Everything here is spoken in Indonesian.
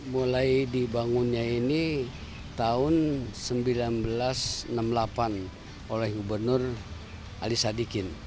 mulai dibangunnya ini tahun seribu sembilan ratus enam puluh delapan oleh gubernur ali sadikin